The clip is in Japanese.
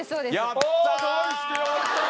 やったー！